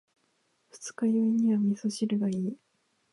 二日酔いには味噌汁がいい。